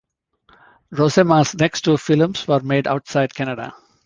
Rozema's next two films were made outside Canada.